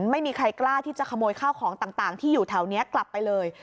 ไม่มีใครกล้าที่จะขโมยข้าวของต่างที่อยู่แถวนี้กลับไปเลย